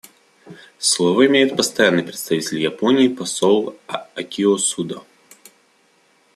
Слово имеет Постоянный представитель Японии посол Акио Суда.